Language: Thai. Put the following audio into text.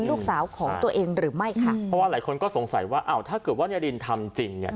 ลูกสาวของตัวเองหรือไม่ค่ะเพราะว่าหลายคนก็สงสัยว่าอ้าวถ้าเกิดว่านารินทำจริงเนี่ย